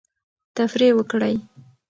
تفریح وکړئ.